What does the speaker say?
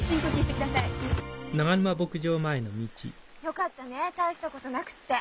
よかったね大したことなくって。